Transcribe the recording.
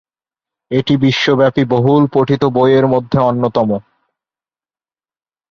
এটি বিশ্বব্যাপী বহুল পঠিত বইয়ের মধ্যে অন্যতম।